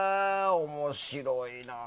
面白いな。